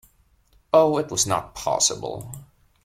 Oh, it was not possible!